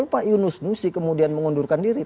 pak yunus nusi kemudian mengundurkan diri